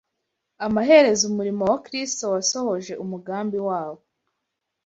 amaherezo umurimo wa Kristo wasohoje umugambi wawo